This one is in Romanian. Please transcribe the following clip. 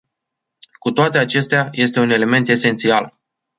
Cu toate acestea, este un element esențial.